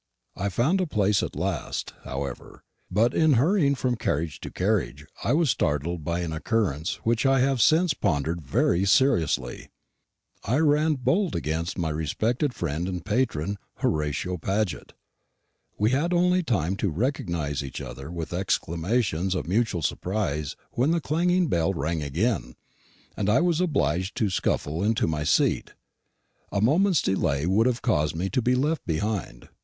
I found a place at last, however; but in hurrying from carriage to carriage I was startled by an occurrence which I have since pondered very seriously. I ran bolt against my respected friend and patron Horatio Paget. We had only time to recognise each other with exclamations of mutual surprise when the clanging bell rang again, and I was obliged to scuffle into my seat. A moment's delay would have caused me to be left behind.